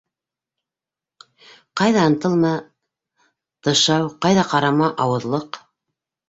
Ҡайҙа ынтылма - гышау, ҡайҙа ҡарама - ауыҙлыҡ.